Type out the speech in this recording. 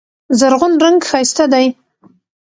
زرغون رنګ ښایسته دی.